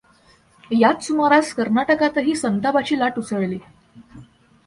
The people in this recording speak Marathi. याच सुमारास कर्नाटकातही संतापाची लाट उसळली.